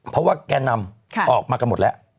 เพราะว่าแก่นำออกมากันหมดแล้ว